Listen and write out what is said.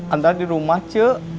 andra di rumah cek